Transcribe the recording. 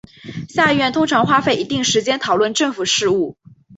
下议院通常花费一定时间讨论政府事务。